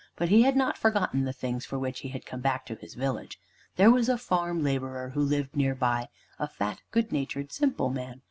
But he had not forgotten the things for which he had come back to his village. There was a farm laborer who lived near by, a fat, good natured, simple man.